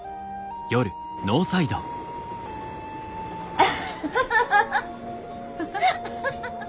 アハハハハハハ！